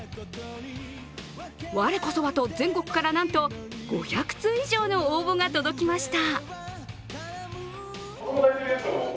我こそはと、全国からなんと５００通以上の応募が届きました。